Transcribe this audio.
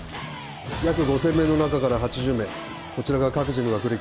約５０００名の中から８０名こちらが各自の学歴